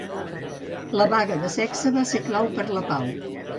La vaga de sexe va ser clau per a la pau.